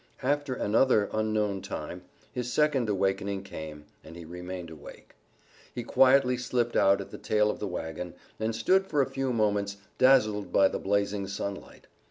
After another unknown time his second awakening came and he remained awake. He quietly slipped out at the tail of the wagon, and stood for a few moments, dazzled by the blazing sunlight.